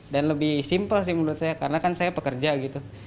dan lebih simple sih menurut saya karena kan saya pekerja gitu